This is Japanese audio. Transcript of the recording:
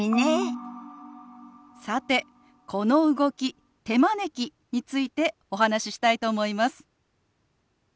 さてこの動き「手招き」についてお話ししたいと思います。